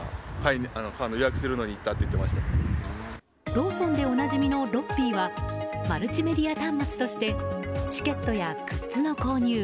ローソンでおなじみのＬｏｐｐｉはマルチメディア端末としてチケットやグッズの購入